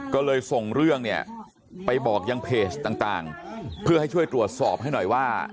ก็เลยส่งเรื่องเนี่ยไปบอกยังเพจต่างเพื่อให้ช่วยตรวจสอบให้หน่อยว่า